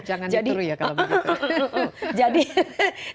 jangan diburu ya kalau begitu